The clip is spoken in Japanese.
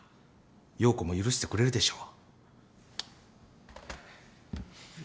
洋子も許してくれるでしょう。